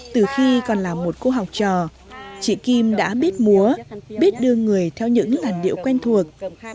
từ khi còn là một cô học trò chị kim đã biết múa biết đưa người theo những làn điệu quen thuộc